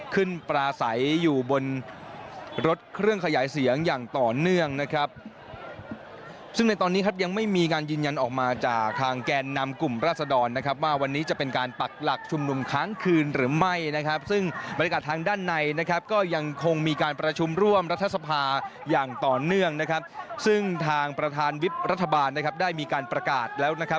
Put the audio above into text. ปราศัยอยู่บนรถเครื่องขยายเสียงอย่างต่อเนื่องนะครับซึ่งในตอนนี้ครับยังไม่มีการยืนยันออกมาจากทางแกนนำกลุ่มราศดรนะครับว่าวันนี้จะเป็นการปักหลักชุมนุมค้างคืนหรือไม่นะครับซึ่งบรรยากาศทางด้านในนะครับก็ยังคงมีการประชุมร่วมรัฐสภาอย่างต่อเนื่องนะครับซึ่งทางประธานวิบรัฐบาลนะครับได้มีการประกาศแล้วนะครับ